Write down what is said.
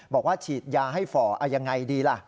บอกว่าฉีดยาให้ฝ่อเอายังไงดีล่ะ